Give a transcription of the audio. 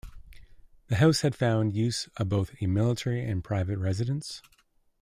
The house has found use as both a military and private residence.